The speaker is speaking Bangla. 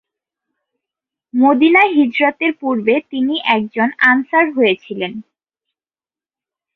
মদিনা হিজরতের পূর্বে তিনি একজন আনসার হয়েছিলেন।